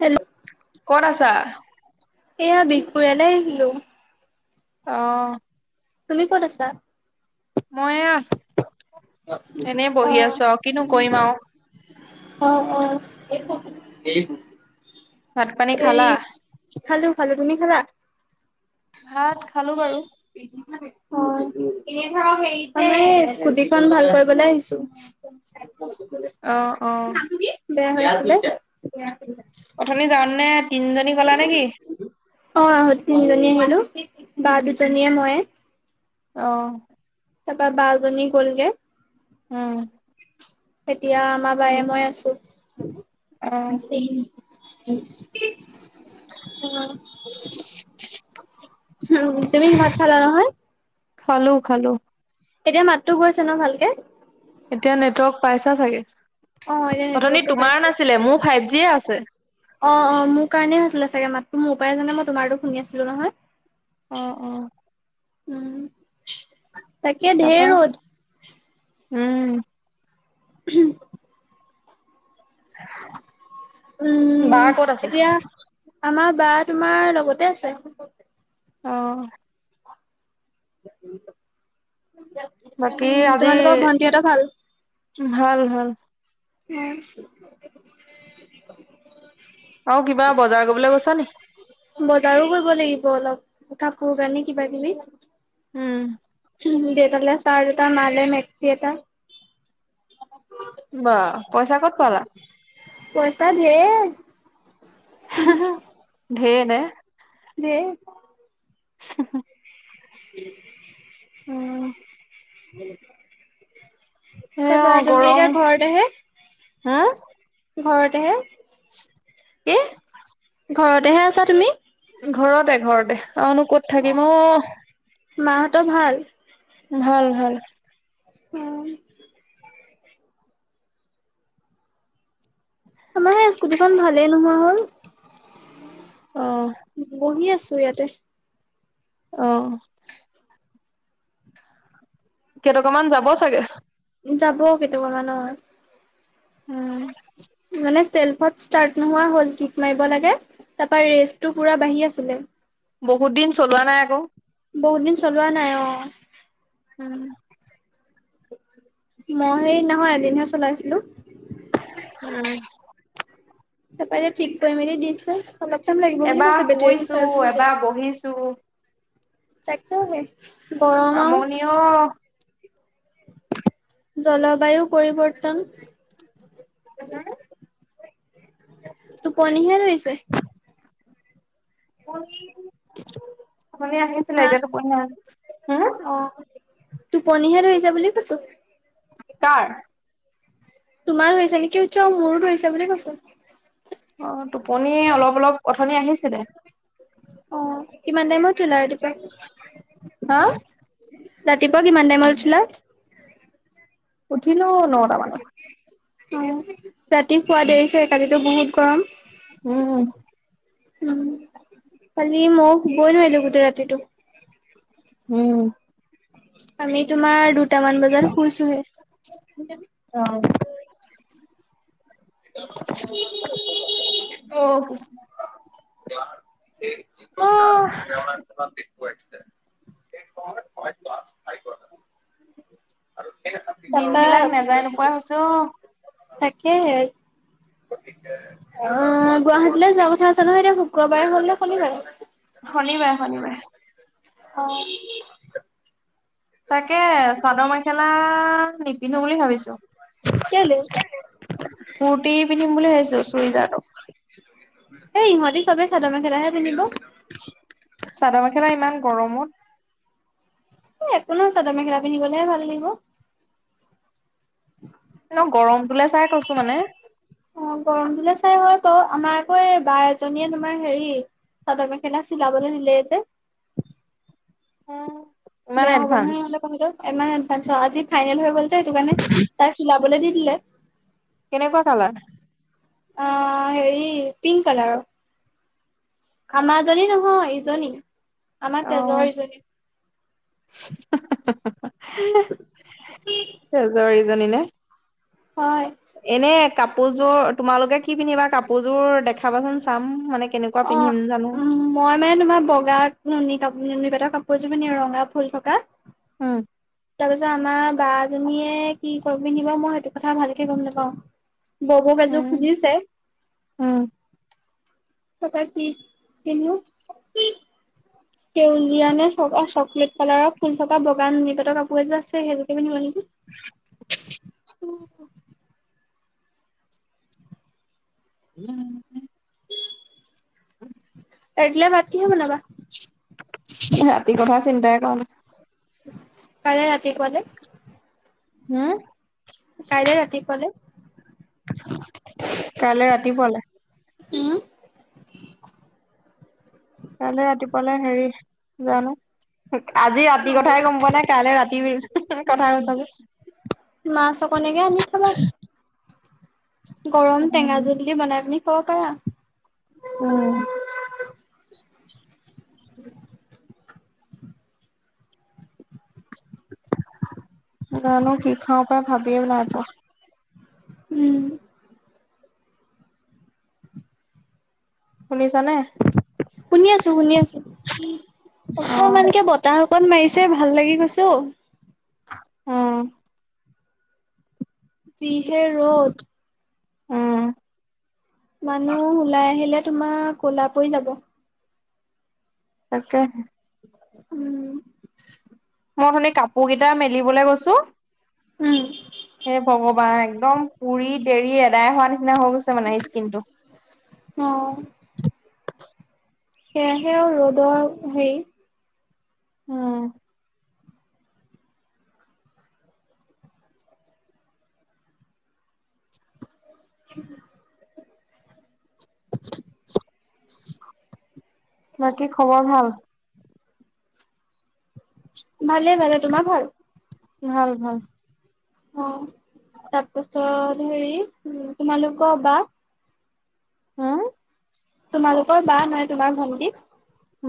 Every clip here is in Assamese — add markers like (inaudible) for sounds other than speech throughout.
হেল্ল' কত আছা? এয়া বিহপুৰীয়ালে আহছিলো। অ,, তুমি ক'ত আছা? মই এনে অ বহি আছো আৰু কিনো কৰিম আৰু অ, অ, ভাত পানী হৰি খালা? খালে খালো তুমি খালা? ভাত খালো বাৰু অ স্কুটিখন ভাল কৰিবলৈ আহিছো। অ', অ', (unintelligible) কি বেয়া হ অথনি যাৱ তেনে তিনিজনী গলা নেকি? অ আহো তিনিজনী আহিলো, বা দুজনীয়ে মই। অ, তাপা বাজনী গ'লগে। উম, এতিয়া আমাৰ বায়ে মই আছো। উ (unintelligible) উ তুমি কি মাত খাল নহয়? খালো খালো। এতিয়া মাতটো গৈছে ন ভালকে? এতিয়া নেটৱৰ্ক পাইছা চাগে অ এতিয়া অথনি নেটৱৰ্কটো তোমাৰ পাইছো নাছিলে মোৰ ফাইভ জিয়ে আছে। অ, অ, মোৰ কাৰণেই হৈ আছিলে চাগে মাত মোৰ পৰা জানে মই তোমাৰো শুনি আছিলো নহয়। অ, অ, উম তাকে ধেৰ তাপা? ৰ'দ। উম। উম, বা উম, ক'ত আছে? এতিয়া আমাৰ বা তোমাৰ লগতে আছে। অ, বাকী (unintelligible) আজি তোমালোকৰ ভন্টি এটা ভাল ভাল ভাল। উম। অ কিবা বজাৰ কৰিবলৈ গৈছ নি? বজাৰো কৰিব লাগিব অলপ কাপোৰ কানি কিবা কিবি উম। দেতালে চাৰ্ট এটা, মা লৈ মেকচি এটা। বা পইচা ক'ত পালা? পইচা ধেৰ। ধেৰ নে। ধেৰ। (inaudible) (unintelligible) উম। (unintelligible) এ, তাৰপা অ', তুমি গৰম এতিয়া ঘৰতেহে হা? ঘৰতেহে। কি? ঘৰতেহে আছা তুমি? ঘৰতে, ঘৰতে আৰুনো ক'ত থাকিম অ'। মাহঁতৰ ভাল? ভাল, ভাল। উম, আমাৰ সেই স্কুটিখন ভালেই নোহোৱা হ'ল। অ বহি আছো ইয়াতে। অ'। কেইটকামান যাব চাগে। যাব কেইটকা মান। উম, মানে শ্বেলফত ষ্টাৰ্ট নোহোৱা হ'ল কিক মাৰিব লাগে, ৰেষ্টটো পুৰা বাহি আছিলে। বহুত দিন চলোৱা নাই আকৌ। বহুত দিন চলোৱা নাই অ'। উম, মই এদিনা খন এদিন হে চলাইছিলো। উম, তাৰ পা এতিয়া ঠিক কৰি মেলি দিছোঁ অলপ টাইম লাগিব বুলি এবাৰ কৈছে, বেটৰী শুইছো চাৰ্জ এবাৰ বহিছো তাকেই হে গৰম আও। আমনি অ জলবায়ু পৰিৱৰ্তন। হম টোপনিহে ধৰিছে। আপুনি উথনি আহিছিলে, হা এতিয়া টোপনি নাই, হম টোপনীহে ধৰিছে বুলি কৈছোঁ। কাৰ? তোমাৰ ধৰিছে নেকি সুধিছোঁ, মোৰো ধৰি হৈছে বুলি কৈছোঁ। অ', টোপনি অলপ, অলপ উথনি আহিছে। অ', কিমান টাইমত উঠিলা ৰাতিপুৱা? হা। ৰাতিপুৱা কিমান টাইমত উঠিলা? উঠিলো নটা মানত। অ', ৰাতি শুৱা দেৰি চাগে কালিতো বহুত গৰম। উম উম, কালি মোৰ টোপনিয়েই নধৰিলে গোটেই ৰাতিটো। উম, আমি তোমাৰ দুটামান বজাত শুইছোঁহে। অ অ'। (unintelligible) (unintelligible) আহ ফাইভ প্লাছ ফাইভ উয়ান (unintelligible) দিন তাপা বিলাক নেযায় নোপোৱা হৈছো তাকেহে। অ গুৱাহাটীলৈ যোৱা কথা আছে নহয় এতিয়া শুক্ৰবাৰে হল ন শনিবাৰে। শনিবাৰে শনিবাৰে। অ। তাকে চাদৰ মেখেলা নিপিন্ধো বুলি ভাবিছো! কেলে? কূুৰ্তি পিন্ধিম বুলি ভাবিছো চুই (unintelligible) এই ইহঁতি চবেই চাদৰ মেখেলাহে পিন্ধিব। চাদৰ মেখেলা ইমান গৰমত। একো নো চাদৰ মেখেলা পিন্ধি গলেহে ভাল লাগিব। ন ন গৰমটোলে চাই কৈছো মানে। সেই হয় বাৰু আমাৰ আকৌ এই বা এজনীয়ে তোমাৰ হেৰি চাদৰ মেখেলা ছিলাবলে দিলে যে অ, বেয়া হ'ব নহয়হলে ক আজি ফাইনেল হৈ গল যে (unintelligible) তাই চিলাবলে চাবলৈ দি দিলে। কেনেকুৱা কালাৰ? অ,, হেৰি পিংক কালাৰৰ। আমাৰ জনী নহয় ইজনী আমাৰ অ তেজৰ ইজনী। (unintelligible) তেজৰ ইজনী নে? হয়। এনে কাপোৰযোৰ তোমালোকে কি পিন্ধিবা কাপোৰযোৰ দেখাবাচোন চাম মানে কেনেকুৱা অ, পিন্ধিম জানো উ মই মানে তোমাৰ বগা নুনী কাপ নুনী পাতৰ কাপোৰযোৰ মানে ৰঙা ফুল থকা। উম। তাৰ পিছত আমাৰ বা জনীয়ে কি কাপোৰ পিন্ধিব মই সেইটো কথা ভালকে গম নাপাও। ববৌক এযোৰ উম খুজিছে। ককা (unintelligible) সেউজীয়া নে? চকলেট কালাৰৰ ফুল থকা বগা নুণিপাতৰ কাপোৰ এযোৰ আছে সেইযোকে পিন্ধিব নি উ উম। ৰাতিলে ভাত কিনে বনাৱা? ৰাতি কথা চিন্তাই কৰা নাই। কাইলৈ ৰাতিপুৱালে? হম। কাইলৈ ৰাতি পোৱালে? কাইলৈ ৰাতি পুৱালে উম। কাইলৈ ৰাতিপুৱালে হেৰি জানো আজি ৰাতি কথাই গম পোৱা নাই কাইলৈ ৰাতি (unintelligible) মাছ অকনেকে আনি থবা। গৰম টেঙা জুল দি বনাই পিনি খাব পাৰা। উম, জানো কি খাওঁ পাই ভাবিয়েই নাই পোৱা। উম। শুনিছানে? শুনি আছো, শুনি আছো, অ', অকমানকে বতাহ অকণ মাৰিছে ভাল লাগি গৈছে অ। উম। যিহে ৰ'দ উম, মানুহ ওলাই আহিলে তোমাৰ কলা পৰি যাব। তাকেহে উম। মই অথনি কাপোৰ কেইটা মেলিবলৈ গৈছো, উম, হে ভগৱান একদম পুৰি দেৰি এদাই হোৱা নিচিনা নিচিনা হৈ গৈছে মানে স্কিনটো। অ। সেয়াহে আৰু ৰ'দৰ হেৰি উম। (inaudible) বাকী খবৰ ভাল? ভালে ভালে, তোমাৰ ভাল? ভাল ভাল। অ', তাৰপাছত হেৰি, তোমালোকৰ বা? উম, তোমালোকৰ বা নাই, তোমাৰ ভণ্টি?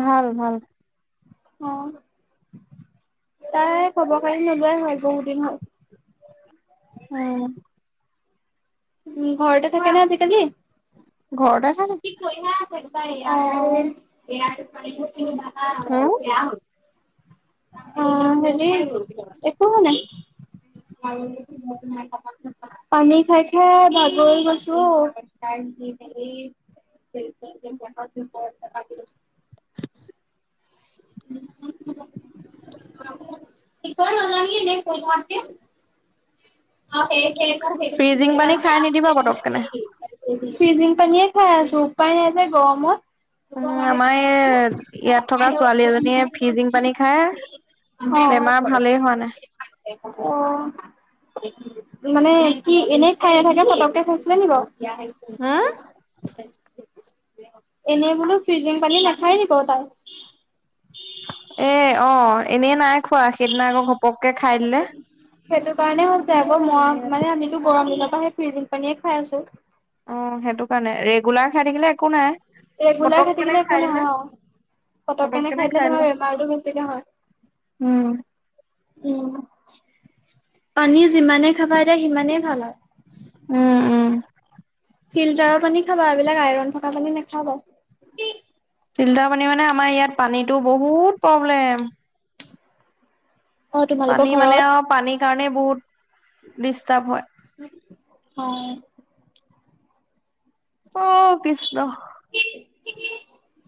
ভাল ভাল। অ'। তাই খবৰ খাতি নোলোৱাই হ'ল বহুত দিন হ'ল। উম, উম, ঘৰতে থাকে নে আজিকালি? ঘৰতে থাকে। য়া পা (unintelligible) উম, অ', হেৰি, একো হোৱা নাই আৰু (unintelligible) পানী খাই খাই ভাগৰি গৈছো ঔ। (unintelligible) সিকয় নাজানি কৈ থকাতকে সেই সেই ফ্ৰিজিং পানী খাই নিদিবা (unintelligible) পতককেনে। (unintelligible) ফ্ৰিজিং পানীয়ে খাই আছো, উপায় নাই যে গৰমত। অ', উম, আমাৰ এই ইয়াত থকা ছোৱালী এজনীয়ে ফ্ৰিজিং পানী খায় বেমাৰ ভালেই হোৱা নাই। অ', মানে কি এনেই খাই নাথাকে পতকে খাইছিলে বাৰু? এনেই বোলো ফ্ৰিজিং পানী নাখায় নি বাৰু তাই? এ অ', এনেই নাই খোৱা সেইদিনা আকৌ ঘপককে খাই সেইটো দিলে কাৰণে হৈছে আকৌ, ম-মানে আমিতো গৰম দিনৰ মই সেই ফ্ৰিজিং পানীয়ে খাই আছো। অ'। সেইটো কাৰণে, ৰেগুলাৰ খাই থাকিলে একো নাই। ৰেগুলাৰ পটক খাই কেনে থাকিলে একো দিলে নহয় অ', পতককেনে খাই দিলে তোমাৰ বেমাৰতটো বেছিকে হয়। উম। উ, পানী যিমানে খাবা এতিয়া সিমানেই ভাল আৰু। উম, উম। ফিল্টাৰৰ পানী খাবা, এইবিলাক আইৰন থকা পানী নাখাবা। ফিল্টাৰ পানী মানে আমাৰ ইয়াত পানীতো বহুত প্ৰব্লেম। অ' তোমালোকৰ পানী মানে ঘৰত? আৰু পানীৰ কাৰণেই বহুত ডিষ্টাৰ্ব হয়। হয়। অও কৃষ্ণ। (unintelligible)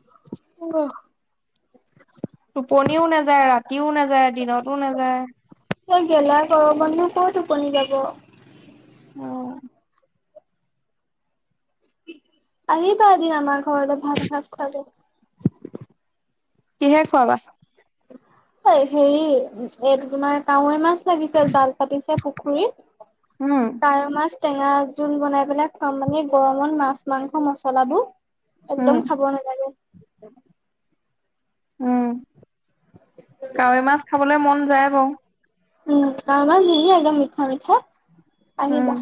উ টোপনিও নাযায় ৰাত ৰাতিও নাযায় দিনতো নাযায়। (unintelligible) মানে ক'ৰ টোপনি যাব অ'। আহিবা এদিন আমাৰ ঘৰলৈ ভাত এসাঁজ খোৱাকে। কিহেৰে খোৱাবা? অই হেৰি এইটো তোমাৰ কাৱৈ মাছ লাগিছিল, তাল পাতিছে পুখুৰীত উম কাৱৈ মাছ টেঙা জোল বনাই পেলাই খোৱাম মানে গৰমত মাছ মাংস মচলাবোৰ উম একদম খাব নালাগে। উম, কাৱৈ মাছ খাবলৈ মন যায় বাৰু। উম, আমাৰ ধুনীয়া একদম মিঠা মিঠা। আনিবা। উম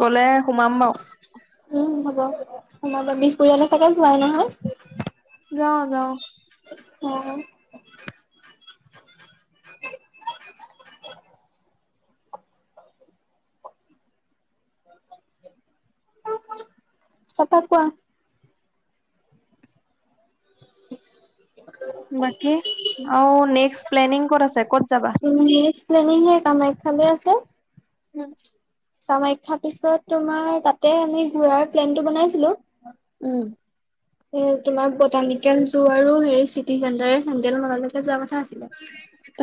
গ'লে সোমাম বাৰু, সমাজৰ বিষ পৰিয়ালে চাগে যোৱাই নহয় যাওঁ যাওঁ। (unintelligible) তাৰপা কোৱা? বাকী আৰু নেক্সট প্লেনিং ক'ত আছে ক'ত যাবা? (unintelligible) উম, নেক্সট প্লেনিং এ, কামাখ্যা যে ঠিকে আছে। উম। কামাখ্যা পিছত তোমাৰ তাতে আমি ঘূৰাৰ প্লেনটো বনাইছিলোঁ। উম। এ, তোমাৰ বটানিকেল যোৱাৰো হেৰি চিটি চেণ্টাৰ চেটন্ত্ৰেল মটানিকেল যোৱা কথা আছিলে।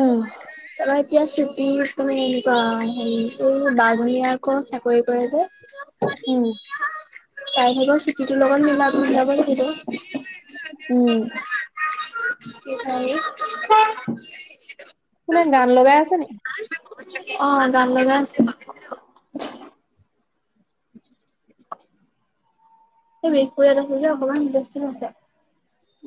উম, এতিয়া শ্বুটিং তুমি এনেকুৱা হেৰি এই বাজনী আকৌ চাকৰি কৰে যে। উম, তাই ভাগৰ চুটীটোৰ লগত মিলা-মিলাব লাগিব। উম। কিহে আৰু। কোনে গান লগাই আছে নি? অ' গান লগাই আছে। সেই বিহপুৰীয়াত আছে যে অকমান ব্যস্ত আছে।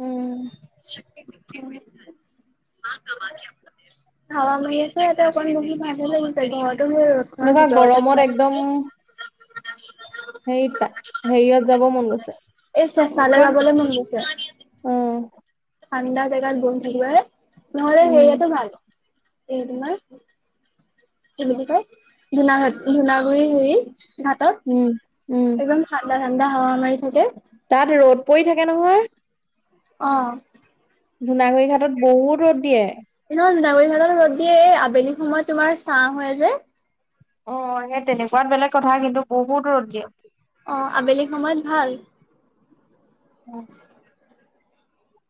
উম। (unintelligible) হাৱা মাৰি আছে এতিয়া অকন বহি বাহিৰলৈ গুচি যায় ঘৰত। তম ৰতৰ এনেকুৱা ভিতৰতে গৰমত সোমাই থাকেগে। হেইটা হেৰিয়ত যাব মন গৈছে। এই চা তালৈ কোন? যাবলৈ মন গৈছে। অ', ঠাণ্ডা জেগাত বহি থাকিবাগে, নহ'লে উম, হেৰিয়াতে ভাল এই তোমাৰ কি বুলি কয় ধুনাঘাট, ধুনাগুৰি হুৰি ঘাটত উম, উম, একদম ঠাণ্ডা ঠাণ্ডা হাৱা মাৰি থাকে। তাত ৰ'দ পৰি থাকে নহয়? অ'। ধুনাগুৰিঘাটত বহুত ৰ'দ দিয়ে। ধুনাগুৰিঘটোলে ৰ'দ দিয়ে। এ, আবেলি সময়ত তোমাৰ চাহ হয় যে। অ' সেই তেনেকুৱাত বেলেগ কথা কিন্তু বহুত ৰ'দ দিয়ে। অ' আবেলি সময়ত ভাল। উম।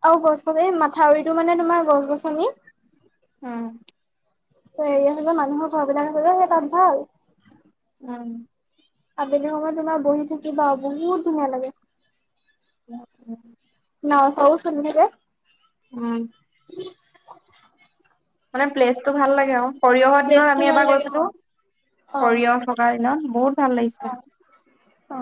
আৰু গছ গছ এই মাথাউৰিতটো মানে তোমাৰ গছ গছনি। উম। হেৰি আছে যে মানুহৰ ঘৰবিলাক আছে যে সেই তাত ভাল। উম। আবেলি সময়ত তোমাৰ বহি থাকিবা, বহুত ধুনীয়া লাগে। নাওঁ চাৱো চলি থাকে। উম। মানে প্লেচটো ভাল লাগে আও। সৰিয়হৰ দিনত প্লেচটো আমি ভাল এবাৰ লাগে গৈছিলো, অ সৰিয়হ থকা দিনত বহুত ভাল লাগিছিলে। অ অ।